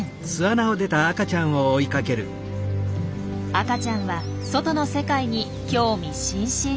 赤ちゃんは外の世界に興味津々。